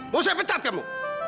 mau saya pecat kamu